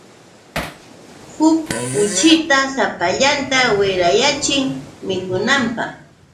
Huk kuchita sapallanta wirayaachin mikunanpaq.